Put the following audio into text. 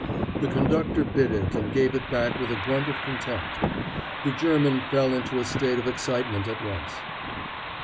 The conductor bit it and gave it back with a grunt of contempt. The German fell into a state of excitement at once.